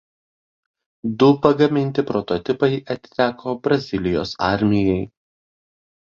Du pagaminti prototipai atiteko Brazilijos armijai.